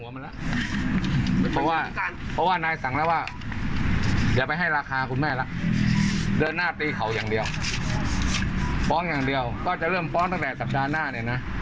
ไม่มีเลขบัตรประชาชน๑๓หลัก